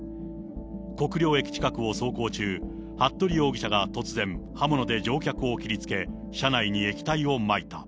国領駅近くを走行中、服部容疑者が突然、刃物で乗客を切りつけ、車内に液体をまいた。